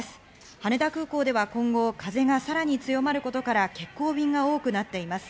羽田空港では今後、風がさらに強まることから、欠航便が多くなっています。